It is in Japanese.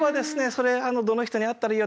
「それどの人に会ったらいいよ。